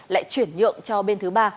lại chuyển nhượng cho bên thứ ba